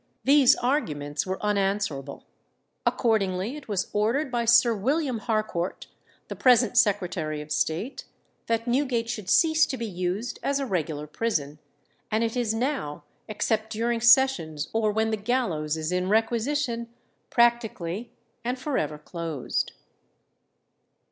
These arguments were unanswerable. Accordingly, it was ordered by Sir William Harcourt, the present Secretary of State, that Newgate should cease to be used as a regular prison, and it is now, except during sessions or when the gallows is in requisition, practically and for ever closed.